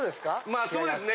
まあそうですね